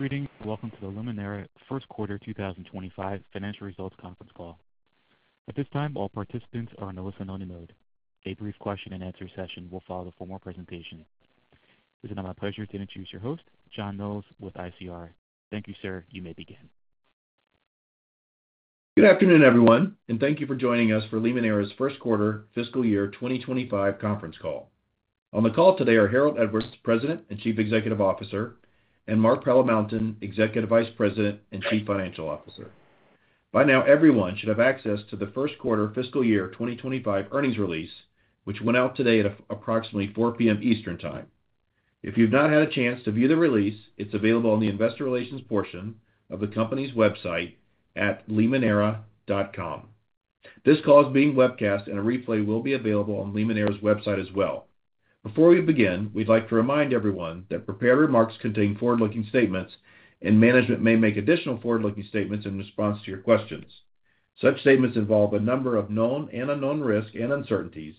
Greetings, and welcome to the Limoneira First Quarter 2025 Financial Results Conference Call. At this time, all participants are on a listen-only mode. A brief question-and-answer session will follow the formal presentation. It is now my pleasure to introduce your host, John Mills, with ICR. Thank you, sir. You may begin. Good afternoon, everyone, and thank you for joining us for Limoneira's First Quarter Fiscal Year 2025 Conference Call. On the call today are Harold Edwards, President and Chief Executive Officer, and Mark Palamountain, Executive Vice President and Chief Financial Officer. By now, everyone should have access to the First Quarter Fiscal Year 2025 Earnings Release, which went out today at approximately 4:00 P.M. Eastern Time. If you've not had a chance to view the release, it's available on the Investor Relations portion of the company's website at limoneira.com. This call is being webcast, and a replay will be available on Limoneira's website as well. Before we begin, we'd like to remind everyone that prepared remarks contain forward-looking statements, and management may make additional forward-looking statements in response to your questions. Such statements involve a number of known and unknown risks and uncertainties,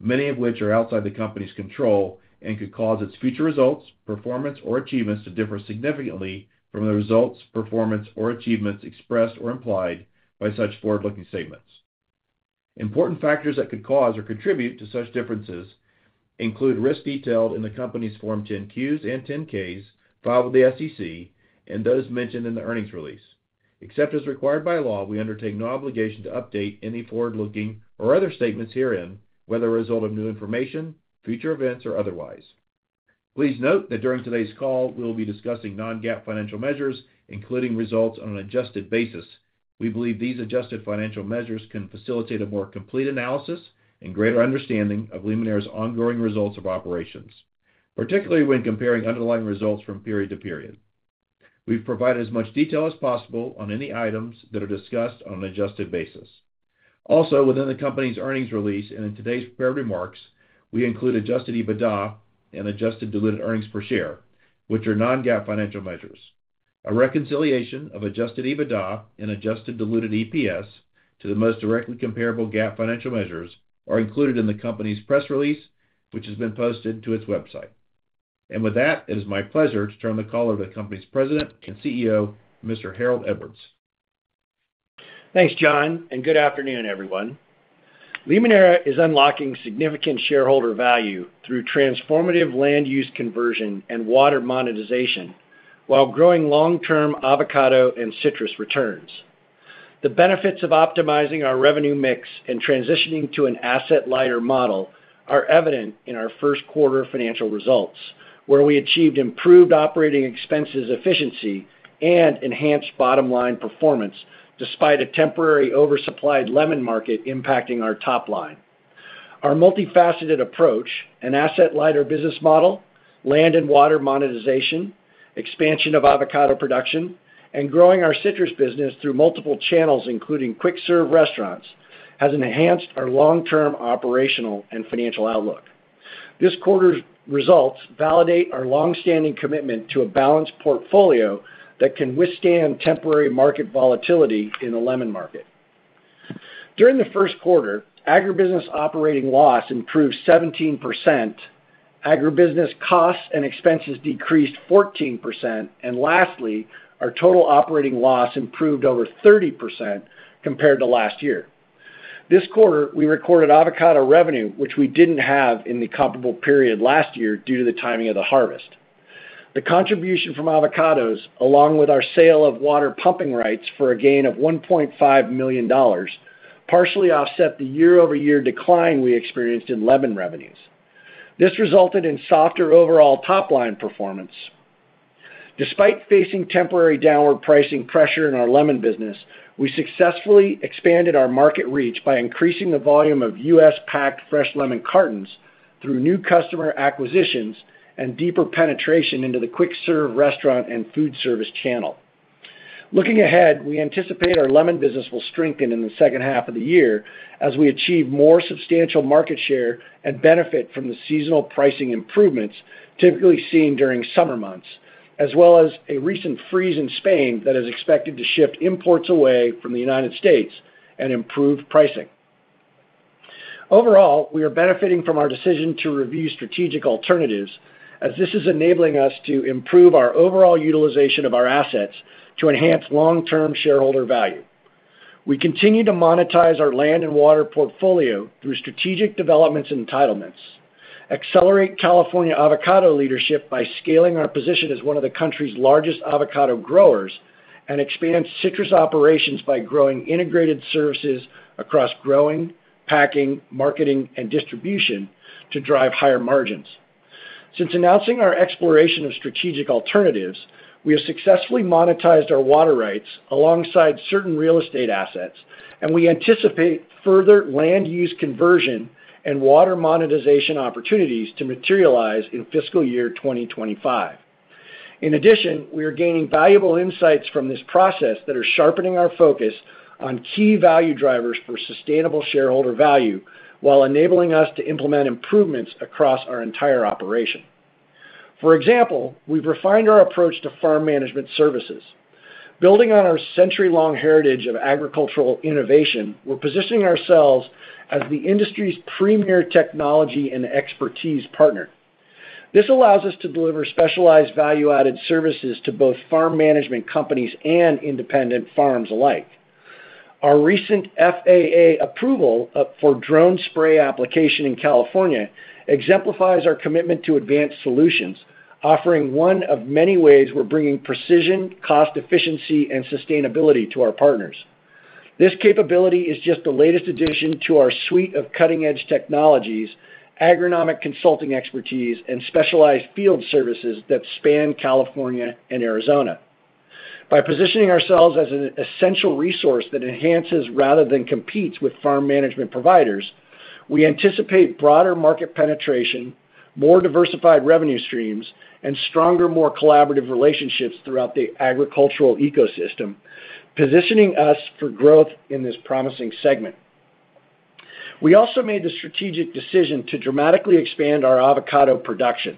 many of which are outside the company's control and could cause its future results, performance, or achievements to differ significantly from the results, performance, or achievements expressed or implied by such forward-looking statements. Important factors that could cause or contribute to such differences include risks detailed in the company's Form 10-Qs and 10-Ks filed with the SEC and those mentioned in the earnings release. Except as required by law, we undertake no obligation to update any forward-looking or other statements herein, whether a result of new information, future events, or otherwise. Please note that during today's call, we will be discussing Non-GAAP financial measures, including results on an adjusted basis. We believe these adjusted financial measures can facilitate a more complete analysis and greater understanding of Limoneira's ongoing results of operations, particularly when comparing underlying results from period to period. We've provided as much detail as possible on any items that are discussed on an adjusted basis. Also, within the company's earnings release and in today's prepared remarks, we include adjusted EBITDA and adjusted diluted earnings per share, which are Non-GAAP financial measures. A reconciliation of adjusted EBITDA and adjusted diluted EPS to the most directly comparable GAAP financial measures is included in the company's press release, which has been posted to its website. It is my pleasure to turn the call over to the company's President and CEO, Mr. Harold Edwards. Thanks, John, and good afternoon, everyone. Limoneira is unlocking significant shareholder value through transformative land use conversion and water monetization while growing long-term avocado and citrus returns. The benefits of optimizing our revenue mix and transitioning to an asset-lighter model are evident in our first quarter financial results, where we achieved improved operating expenses efficiency and enhanced bottom-line performance despite a temporary oversupplied lemon market impacting our top line. Our multifaceted approach, an asset-lighter business model, land and water monetization, expansion of avocado production, and growing our citrus business through multiple channels, including quick-serve restaurants, has enhanced our long-term operational and financial outlook. This quarter's results validate our longstanding commitment to a balanced portfolio that can withstand temporary market volatility in the lemon market. During the first quarter, agribusiness operating loss improved 17%, agribusiness costs and expenses decreased 14%, and lastly, our total operating loss improved over 30% compared to last year. This quarter, we recorded avocado revenue, which we didn't have in the comparable period last year due to the timing of the harvest. The contribution from avocados, along with our sale of water pumping rights for a gain of $1.5 million, partially offset the year-over-year decline we experienced in lemon revenues. This resulted in softer overall top-line performance. Despite facing temporary downward pricing pressure in our lemon business, we successfully expanded our market reach by increasing the volume of U.S.-packed fresh lemon cartons through new customer acquisitions and deeper penetration into the quick-serve restaurant and food service channel. Looking ahead, we anticipate our lemon business will strengthen in the second half of the year as we achieve more substantial market share and benefit from the seasonal pricing improvements typically seen during summer months, as well as a recent freeze in Spain that is expected to shift imports away from the U.S. and improve pricing. Overall, we are benefiting from our decision to review strategic alternatives as this is enabling us to improve our overall utilization of our assets to enhance long-term shareholder value. We continue to monetize our land and water portfolio through strategic developments and entitlements, accelerate California avocado leadership by scaling our position as one of the country's largest avocado growers, and expand citrus operations by growing integrated services across growing, packing, marketing, and distribution to drive higher margins. Since announcing our exploration of strategic alternatives, we have successfully monetized our water rights alongside certain real estate assets, and we anticipate further land use conversion and water monetization opportunities to materialize in Fiscal Year 2025. In addition, we are gaining valuable insights from this process that are sharpening our focus on key value drivers for sustainable shareholder value while enabling us to implement improvements across our entire operation. For example, we've refined our approach to farm management services. Building on our century-long heritage of agricultural innovation, we're positioning ourselves as the industry's premier technology and expertise partner. This allows us to deliver specialized value-added services to both farm management companies and independent farms alike. Our recent FAA approval for drone spray application in California exemplifies our commitment to advanced solutions, offering one of many ways we're bringing precision, cost efficiency, and sustainability to our partners. This capability is just the latest addition to our suite of cutting-edge technologies, agronomic consulting expertise, and specialized field services that span California and Arizona. By positioning ourselves as an essential resource that enhances rather than competes with farm management providers, we anticipate broader market penetration, more diversified revenue streams, and stronger, more collaborative relationships throughout the agricultural ecosystem, positioning us for growth in this promising segment. We also made the strategic decision to dramatically expand our avocado production.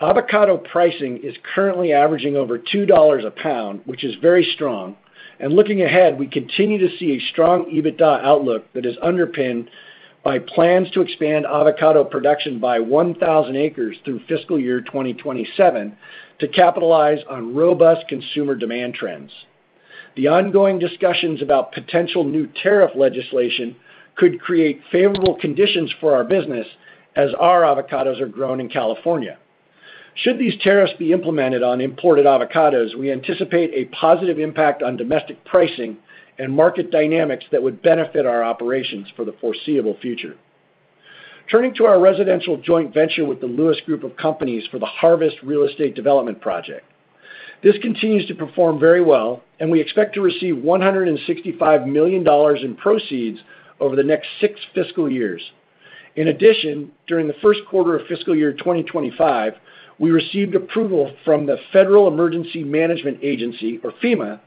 Avocado pricing is currently averaging over $2 a pound, which is very strong, and looking ahead, we continue to see a strong EBITDA outlook that is underpinned by plans to expand avocado production by 1,000 acres through Fiscal Year 2027 to capitalize on robust consumer demand trends. The ongoing discussions about potential new tariff legislation could create favorable conditions for our business as our avocados are grown in California. Should these tariffs be implemented on imported avocados, we anticipate a positive impact on domestic pricing and market dynamics that would benefit our operations for the foreseeable future. Turning to our residential joint venture with the Lewis Group of Companies for the Harvest Real Estate Development Project. This continues to perform very well, and we expect to receive $165 million in proceeds over the next six fiscal years. In addition, during the first quarter of Fiscal Year 2025, we received approval from the Federal Emergency Management Agency, or FEMA,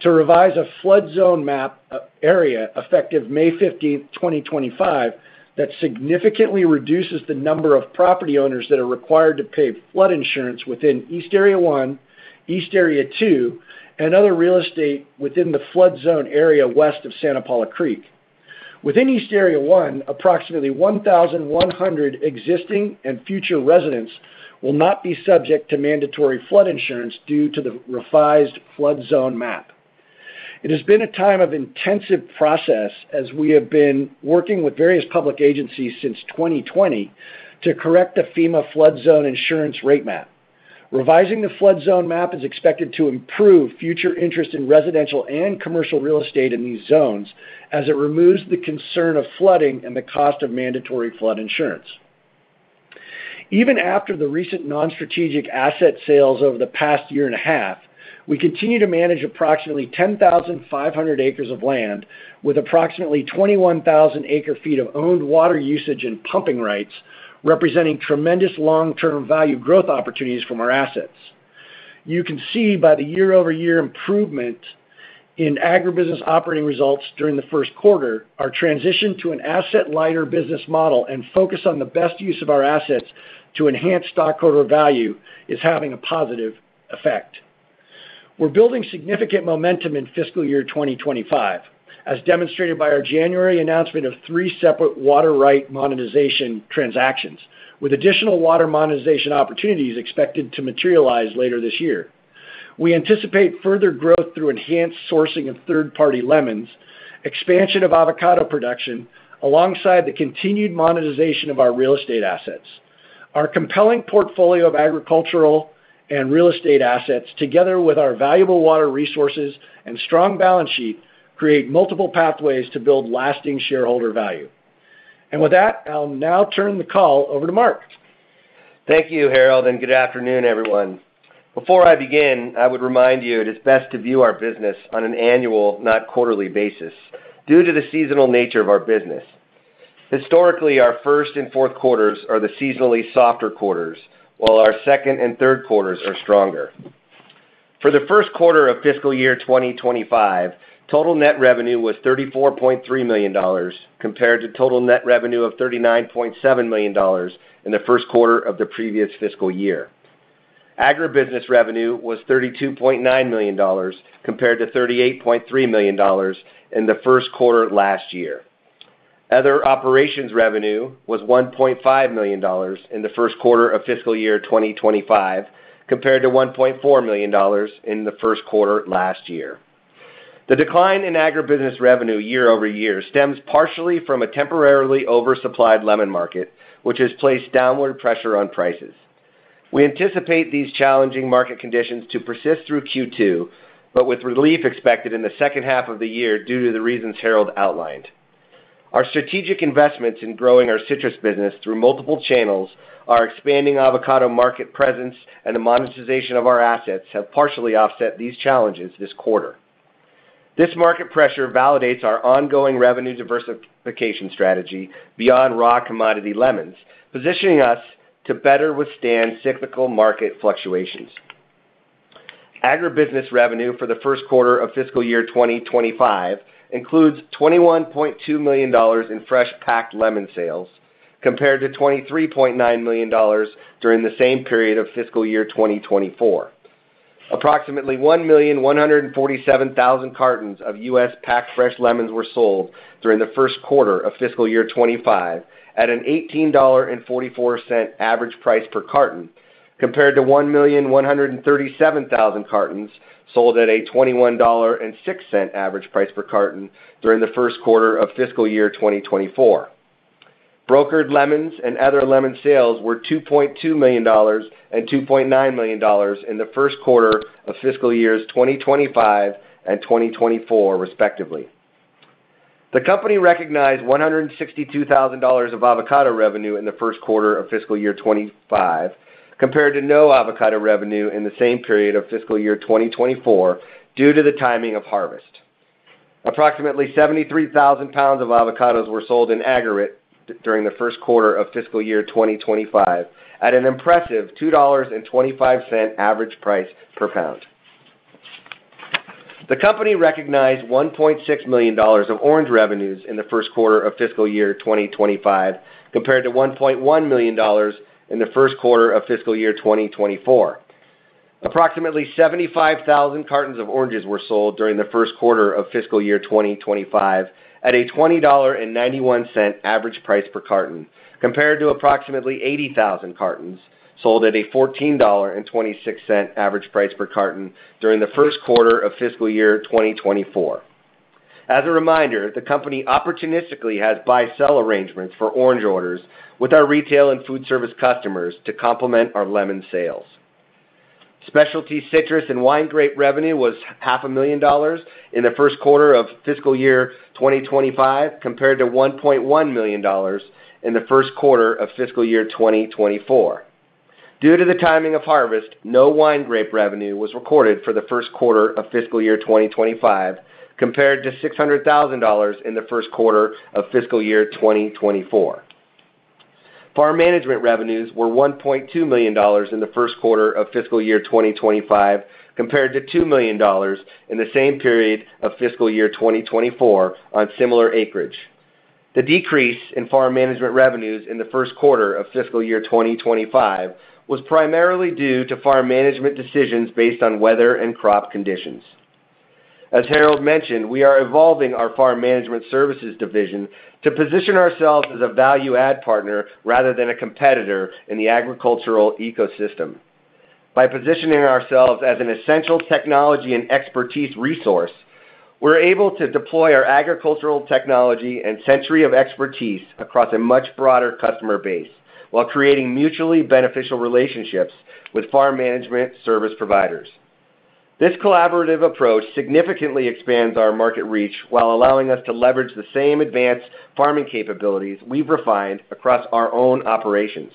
to revise a flood zone map area effective May 15, 2025, that significantly reduces the number of property owners that are required to pay flood insurance within East Area One, East Area Two, and other real estate within the flood zone area west of Santa Paula Creek. Within East Area One, approximately 1,100 existing and future residents will not be subject to mandatory flood insurance due to the revised flood zone map. It has been a time of intensive process as we have been working with various public agencies since 2020 to correct the FEMA flood zone insurance rate map. Revising the flood zone map is expected to improve future interest in residential and commercial real estate in these zones as it removes the concern of flooding and the cost of mandatory flood insurance. Even after the recent non-strategic asset sales over the past year and a half, we continue to manage approximately 10,500 acres of land with approximately 21,000 acre-feet of owned water usage and pumping rights, representing tremendous long-term value growth opportunities from our assets. You can see by the year-over-year improvement in agribusiness operating results during the first quarter, our transition to an asset-lighter business model and focus on the best use of our assets to enhance stockholder value is having a positive effect. We are building significant momentum in Fiscal Year 2025, as demonstrated by our January announcement of three separate water right monetization transactions, with additional water monetization opportunities expected to materialize later this year. We anticipate further growth through enhanced sourcing of third-party lemons, expansion of avocado production, alongside the continued monetization of our real estate assets. Our compelling portfolio of agricultural and real estate assets, together with our valuable water resources and strong balance sheet, create multiple pathways to build lasting shareholder value. I will now turn the call over to Mark. Thank you, Harold, and good afternoon, everyone. Before I begin, I would remind you it is best to view our business on an annual, not quarterly, basis due to the seasonal nature of our business. Historically, our first and fourth quarters are the seasonally softer quarters, while our second and third quarters are stronger. For the first quarter of Fiscal Year 2025, total net revenue was $34.3 million compared to total net revenue of $39.7 million in the first quarter of the previous fiscal year. Agribusiness revenue was $32.9 million compared to $38.3 million in the first quarter last year. Other operations revenue was $1.5 million in the first quarter of Fiscal Year 2025 compared to $1.4 million in the first quarter last year. The decline in agribusiness revenue year-over-year stems partially from a temporarily oversupplied lemon market, which has placed downward pressure on prices. We anticipate these challenging market conditions to persist through Q2, but with relief expected in the second half of the year due to the reasons Harold outlined. Our strategic investments in growing our citrus business through multiple channels, our expanding avocado market presence, and the monetization of our assets have partially offset these challenges this quarter. This market pressure validates our ongoing revenue diversification strategy beyond raw commodity lemons, positioning us to better withstand cyclical market fluctuations. Agribusiness revenue for the first quarter of Fiscal Year 2025 includes $21.2 million in fresh-packed lemon sales compared to $23.9 million during the same period of Fiscal Year 2024. Approximately 1,147,000 cartons of U.S.-packed fresh lemons were sold during the first quarter of Fiscal Year 2025 at an $18.44 average price per carton compared to 1,137,000 cartons sold at a $21.06 average price per carton during the first quarter of Fiscal Year 2024. Brokered lemons and other lemon sales were $2.2 million and $2.9 million in the first quarter of Fiscal Years 2025 and 2024, respectively. The company recognized $162,000 of avocado revenue in the first quarter of Fiscal Year 2025 compared to no avocado revenue in the same period of Fiscal Year 2024 due to the timing of harvest. Approximately 73,000 pounds of avocados were sold in aggregate during the first quarter of Fiscal Year 2025 at an impressive $2.25 average price per pound. The company recognized $1.6 million of orange revenues in the first quarter of Fiscal Year 2025 compared to $1.1 million in the first quarter of Fiscal Year 2024. Approximately 75,000 cartons of oranges were sold during the first quarter of Fiscal Year 2025 at a $20.91 average price per carton compared to approximately 80,000 cartons sold at a $14.26 average price per carton during the first quarter of Fiscal Year 2024. As a reminder, the company opportunistically has buy-sell arrangements for orange orders with our retail and food service customers to complement our lemon sales. Specialty citrus and wine grape revenue was $500,000 in the first quarter of Fiscal Year 2025 compared to $1.1 million in the first quarter of Fiscal Year 2024. Due to the timing of harvest, no wine grape revenue was recorded for the first quarter of Fiscal Year 2025 compared to $600,000 in the first quarter of Fiscal Year 2024. Farm management revenues were $1.2 million in the first quarter of Fiscal Year 2025 compared to $2 million in the same period of Fiscal Year 2024 on similar acreage. The decrease in farm management revenues in the first quarter of Fiscal Year 2025 was primarily due to farm management decisions based on weather and crop conditions. As Harold mentioned, we are evolving our farm management services division to position ourselves as a value-add partner rather than a competitor in the agricultural ecosystem. By positioning ourselves as an essential technology and expertise resource, we're able to deploy our agricultural technology and century of expertise across a much broader customer base while creating mutually beneficial relationships with farm management service providers. This collaborative approach significantly expands our market reach while allowing us to leverage the same advanced farming capabilities we've refined across our own operations.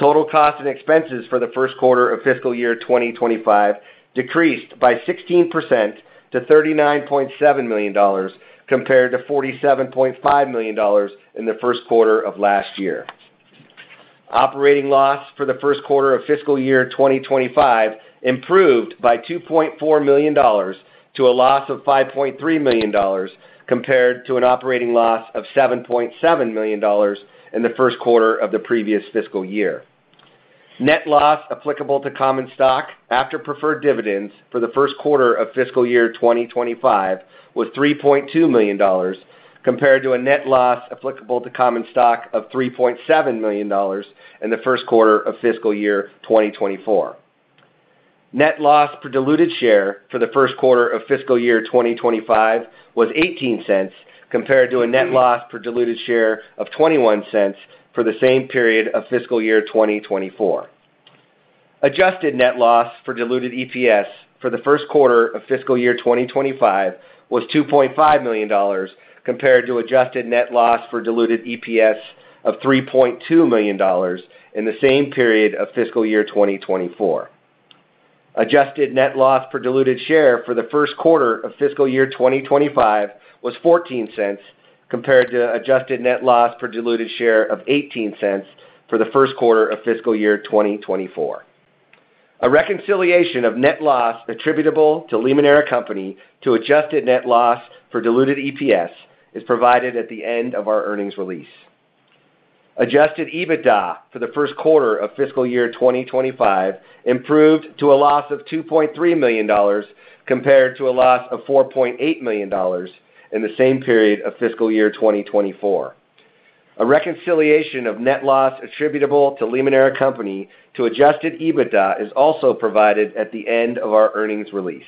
Total costs and expenses for the first quarter of Fiscal Year 2025 decreased by 16% to $39.7 million compared to $47.5 million in the first quarter of last year. Operating loss for the first quarter of Fiscal Year 2025 improved by $2.4 million to a loss of $5.3 million compared to an operating loss of $7.7 million in the first quarter of the previous fiscal year. Net loss applicable to common stock after preferred dividends for the first quarter of Fiscal Year 2025 was $3.2 million compared to a net loss applicable to common stock of $3.7 million in the first quarter of Fiscal Year 2024. Net loss per diluted share for the first quarter of Fiscal Year 2025 was $0.18 compared to a net loss per diluted share of $0.21 for the same period of Fiscal Year 2024. Adjusted net loss for diluted EPS for the first quarter of Fiscal Year 2025 was $2.5 million compared to adjusted net loss for diluted EPS of $3.2 million in the same period of Fiscal Year 2024. Adjusted net loss per diluted share for the first quarter of Fiscal Year 2025 was $0.14 compared to adjusted net loss per diluted share of $0.18 for the first quarter of Fiscal Year 2024. A reconciliation of net loss attributable to Limoneira Company to adjusted net loss for diluted EPS is provided at the end of our earnings release. Adjusted EBITDA for the first quarter of Fiscal Year 2025 improved to a loss of $2.3 million compared to a loss of $4.8 million in the same period of Fiscal Year 2024. A reconciliation of net loss attributable to Limoneira Company to adjusted EBITDA is also provided at the end of our earnings release.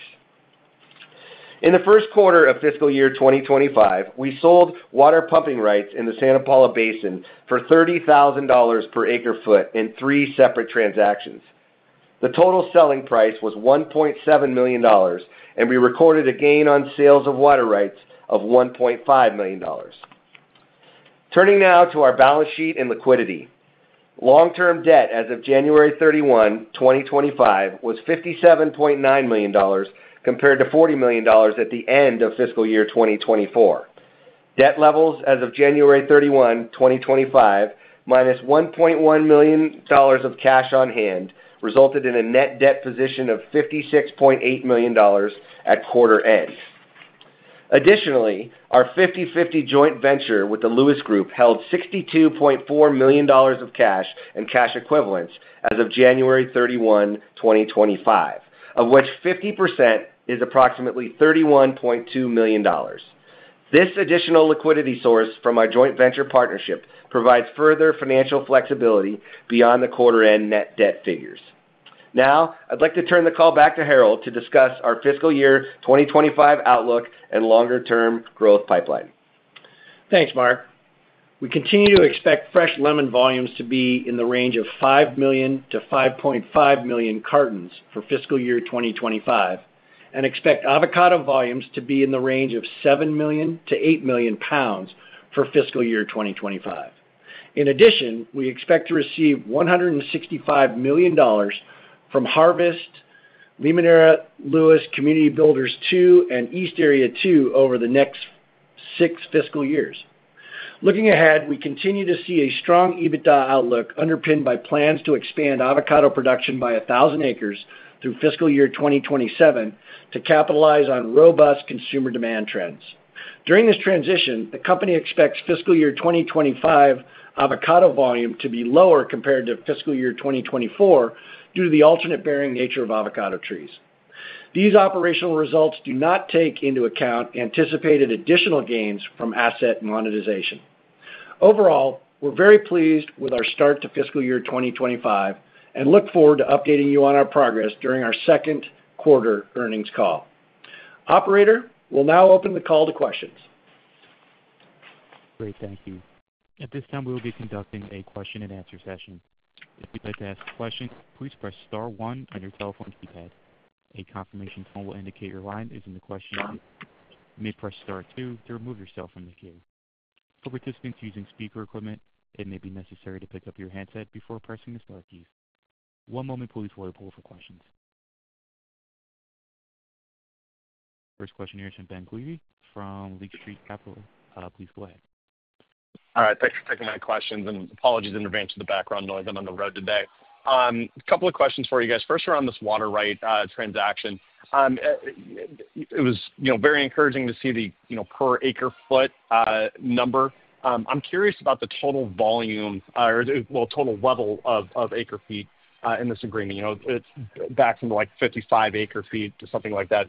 In the first quarter of Fiscal Year 2025, we sold water pumping rights in the Santa Paula Basin for $30,000 per acre-foot in three separate transactions. The total selling price was $1.7 million, and we recorded a gain on sales of water rights of $1.5 million. Turning now to our balance sheet and liquidity. Long-term debt as of January 31, 2025, was $57.9 million compared to $40 million at the end of Fiscal Year 2024. Debt levels as of January 31, 2025, minus $1.1 million of cash on hand resulted in a net debt position of $56.8 million at quarter end. Additionally, our 50/50 joint venture with the Lewis Group held $62.4 million of cash and cash equivalents as of January 31, 2025, of which 50% is approximately $31.2 million. This additional liquidity source from our joint venture partnership provides further financial flexibility beyond the quarter-end net debt figures. Now, I'd like to turn the call back to Harold to discuss our fiscal year 2025 outlook and longer-term growth pipeline. Thanks, Mark. We continue to expect fresh lemon volumes to be in the range of 5 million-5.5 million cartons for Fiscal Year 2025 and expect avocado volumes to be in the range of 7 million-8 million pounds for Fiscal Year 2025. In addition, we expect to receive $165 million from Harvest, Limoneira Lewis Community Builders, LLC, and East Area II over the next six fiscal years. Looking ahead, we continue to see a strong EBITDA outlook underpinned by plans to expand avocado production by 1,000 acres through fiscal year 2027 to capitalize on robust consumer demand trends. During this transition, the company expects Fiscal Year 2025 avocado volume to be lower compared to Fiscal Year 2024 due to the alternate-bearing nature of avocado trees. These operational results do not take into account anticipated additional gains from asset monetization. Overall, we're very pleased with our start to Fiscal Year 2025 and look forward to updating you on our progress during our Second Quarter Earnings Call. Operator, we'll now open the call to questions. Great. Thank you. At this time, we will be conducting a question-and-answer session. If you'd like to ask a question, please press star one on your telephone keypad. A confirmation tone will indicate your line is in the question queue. You may press star two to remove yourself from the queue. For participants using speaker equipment, it may be necessary to pick up your handset before pressing the star keys. One moment, please, while we pull up for questions. First question here is from Ben Haynor from Lake Street Capital. Please go ahead. All right. Thanks for taking my questions. Apologies in advance for the background noise, I'm on the road today. A couple of questions for you guys. First, around this water right transaction, it was very encouraging to see the per acre-foot number. I'm curious about the total volume or, well, total level of acre-feet in this agreement. It's back from like 55 acre-feet to something like that,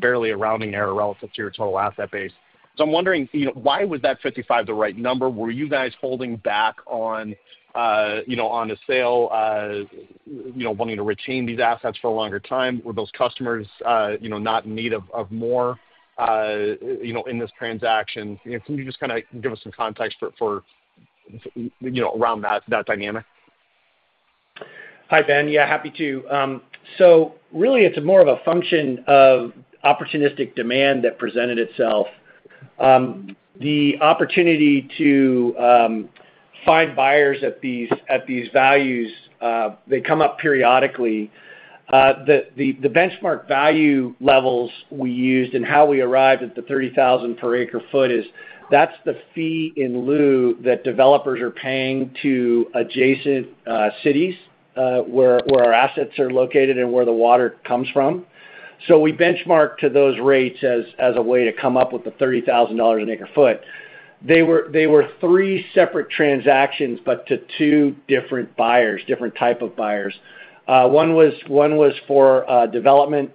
barely a rounding error relative to your total asset base. I'm wondering, why was that 55 the right number? Were you guys holding back on a sale, wanting to retain these assets for a longer time? Were those customers not in need of more in this transaction? Can you just kind of give us some context around that dynamic? Hi, Ben. Yeah, happy to. Really, it's more of a function of opportunistic demand that presented itself. The opportunity to find buyers at these values, they come up periodically. The benchmark value levels we used and how we arrived at the $30,000 per acre-foot is that's the fee in lieu that developers are paying to adjacent cities where our assets are located and where the water comes from. We benchmarked to those rates as a way to come up with the $30,000 an acre-foot. They were three separate transactions, but to two different buyers, different type of buyers. One was for a development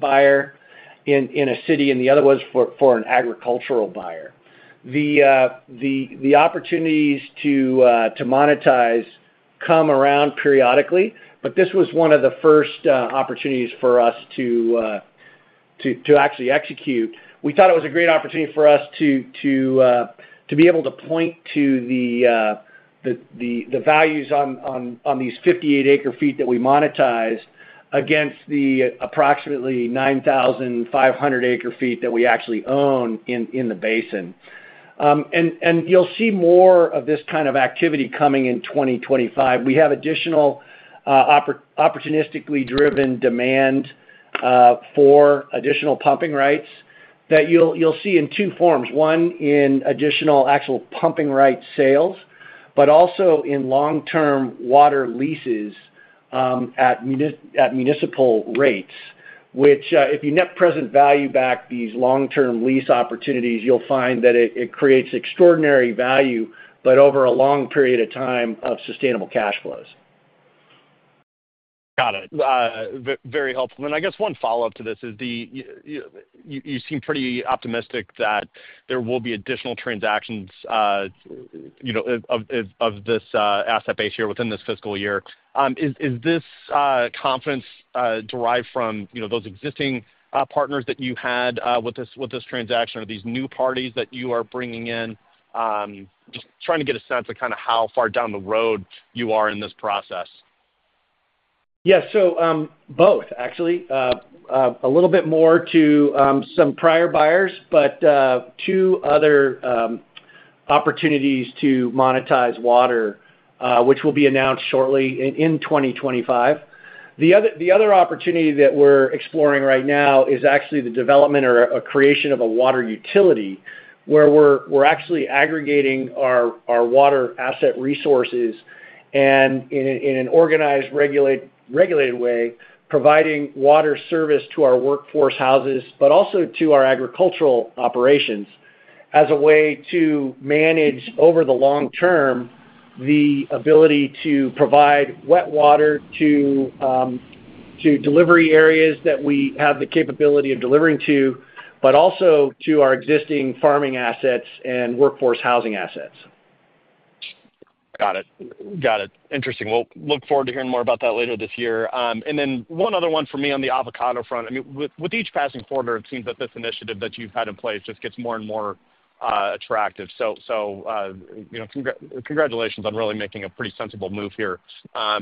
buyer in a city, and the other was for an agricultural buyer. The opportunities to monetize come around periodically, but this was one of the first opportunities for us to actually execute. We thought it was a great opportunity for us to be able to point to the values on these 58 acre-feet that we monetized against the approximately 9,500 acre-feet that we actually own in the basin. You will see more of this kind of activity coming in 2025. We have additional opportunistically driven demand for additional pumping rights that you will see in two forms: one in additional actual pumping rights sales, but also in long-term water leases at municipal rates, which, if you net present value back these long-term lease opportunities, you will find that it creates extraordinary value, but over a long period of time of sustainable cash flows. Got it. Very helpful. I guess one follow-up to this is you seem pretty optimistic that there will be additional transactions of this asset base here within this fiscal year. Is this confidence derived from those existing partners that you had with this transaction, or these new parties that you are bringing in? Just trying to get a sense of kind of how far down the road you are in this process. Yeah. Both, actually. A little bit more to some prior buyers, but two other opportunities to monetize water, which will be announced shortly in 2025. The other opportunity that we're exploring right now is actually the development or creation of a water utility where we're actually aggregating our water asset resources and, in an organized, regulated way, providing water service to our workforce houses, but also to our agricultural operations as a way to manage over the long term the ability to provide wet water to delivery areas that we have the capability of delivering to, but also to our existing farming assets and workforce housing assets. Got it. Got it. Interesting. We'll look forward to hearing more about that later this year. One other one for me on the avocado front. I mean, with each passing quarter, it seems that this initiative that you've had in place just gets more and more attractive. Congratulations on really making a pretty sensible move here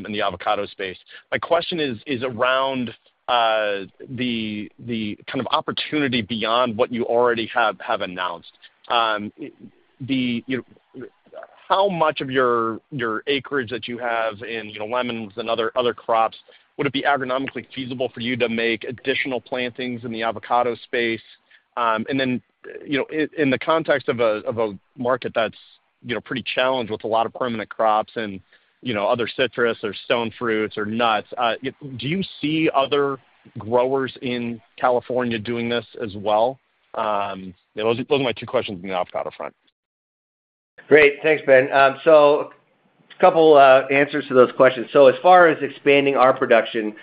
in the avocado space. My question is around the kind of opportunity beyond what you already have announced. How much of your acreage that you have in lemons and other crops would it be agronomically feasible for you to make additional plantings in the avocado space? In the context of a market that's pretty challenged with a lot of permanent crops and other citrus or stone fruits or nuts, do you see other growers in California doing this as well? Those are my two questions on the avocado front. Great. Thanks, Ben. A couple of answers to those questions. As far as expanding our production,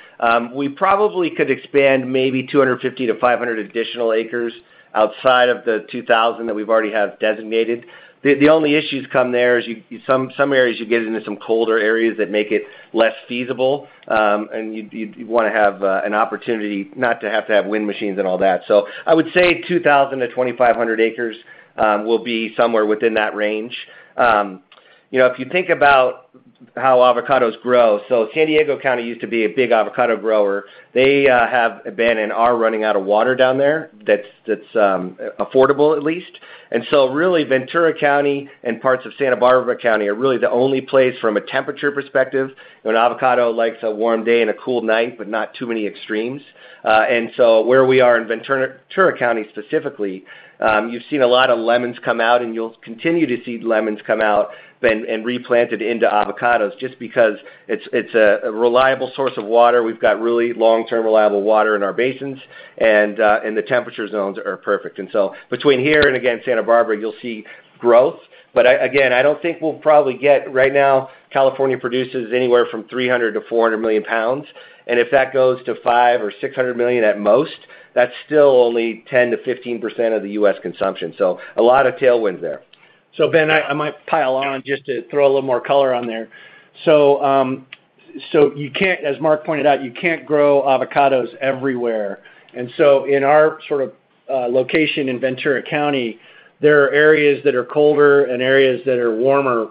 we probably could expand maybe 250-500 additional acres outside of the 2,000 that we already have designated. The only issues come where there are some areas you get into some colder areas that make it less feasible, and you want to have an opportunity not to have to have wind machines and all that. I would say 2,000-2,500 acres will be somewhere within that range. If you think about how avocados grow, San Diego County used to be a big avocado grower. They have been and are running out of water down there that's affordable, at least. Really, Ventura County and parts of Santa Barbara County are really the only place from a temperature perspective. An avocado likes a warm day and a cool night, but not too many extremes. Where we are in Ventura County specifically, you've seen a lot of lemons come out, and you'll continue to see lemons come out and replanted into avocados just because it's a reliable source of water. We've got really long-term reliable water in our basins, and the temperature zones are perfect. Between here and, again, Santa Barbara, you'll see growth. I don't think we'll probably get right now California produces anywhere from 300 million-400 million pounds. If that goes to 500 million-600 million at most, that's still only 10-15% of the U.S. consumption. A lot of tailwinds there. Ben, I might pile on just to throw a little more color on there. As Mark pointed out, you can't grow avocados everywhere. In our sort of location in Ventura County, there are areas that are colder and areas that are warmer.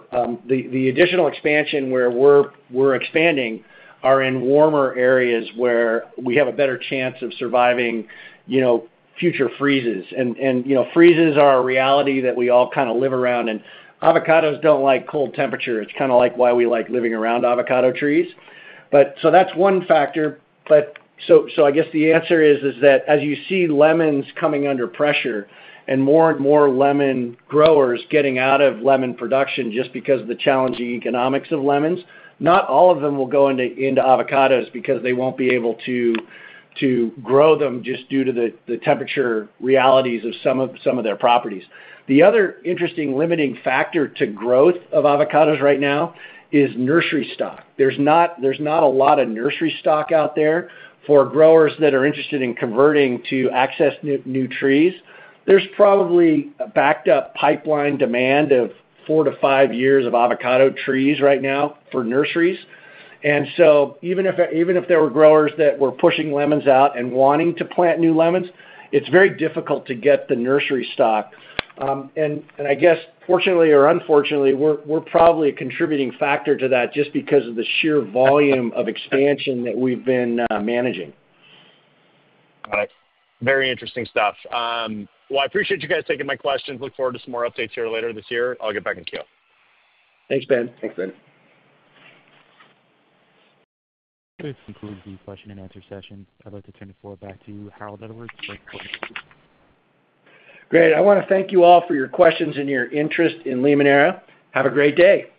The additional expansion where we're expanding are in warmer areas where we have a better chance of surviving future freezes. Freezes are a reality that we all kind of live around. Avocados do not like cold temperature. It's kind of like why we like living around avocado trees. That is one factor. I guess the answer is that as you see lemons coming under pressure and more and more lemon growers getting out of lemon production just because of the challenging economics of lemons, not all of them will go into avocados because they will not be able to grow them just due to the temperature realities of some of their properties. The other interesting limiting factor to growth of avocados right now is nursery stock. There's not a lot of nursery stock out there for growers that are interested in converting to access new trees. There's probably a backed-up pipeline demand of four to five years of avocado trees right now for nurseries. Even if there were growers that were pushing lemons out and wanting to plant new lemons, it's very difficult to get the nursery stock. I guess, fortunately or unfortunately, we're probably a contributing factor to that just because of the sheer volume of expansion that we've been managing. Got it. Very interesting stuff. I appreciate you guys taking my questions. Look forward to some more updates here later this year. I'll get back in the queue. Thanks, Ben. Thanks, Ben. This concludes the question-and-answer session. I'd like to turn the floor back to Harold Edwards. Great. I want to thank you all for your questions and your interest in Limoneira. Have a great day.